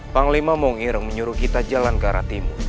panglima mongir menyuruh kita jalan ke arah timur